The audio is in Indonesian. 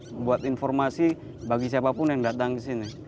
membuat informasi bagi siapapun yang datang kesini